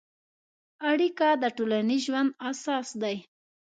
اړیکه د ټولنیز ژوند اساس دی.